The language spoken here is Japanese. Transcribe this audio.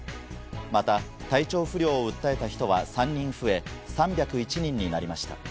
また体調不良を訴えた人は３人増え、３０１人になりました。